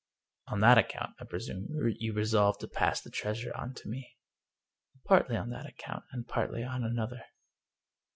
" On that account, I presume, you resolved to pass the treasure on to me?" " Partly on that account, and partly on another."